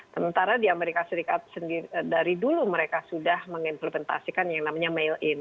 sementara di amerika serikat dari dulu mereka sudah mengimplementasikan yang namanya mail in